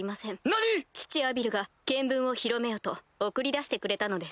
何⁉父アビルが見聞を広めよと送り出してくれたのです。